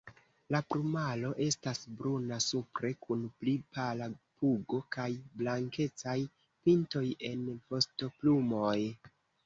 La plumaro estas bruna supre kun pli pala pugo kaj blankecaj pintoj en vostoplumoj.